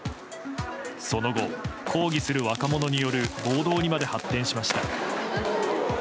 その後、抗議する若者による暴動にまで発展しました。